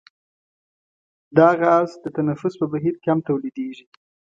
دا غاز د تنفس په بهیر کې هم تولیدیږي.